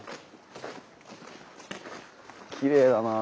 きれいだなぁ。